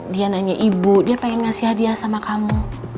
dia nanya ibu dia pengen ngasih hadiah sama kamu